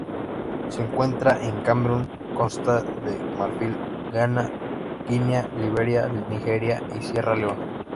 Se encuentra en Camerún, Costa de Marfil, Ghana, Guinea, Liberia Nigeria y Sierra Leona.